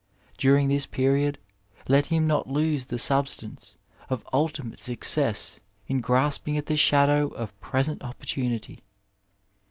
During this period let him not lose the substance of ultimate success in grasp ing at t^ shadow of present opportunity.